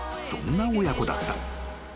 ［そんな親子だった］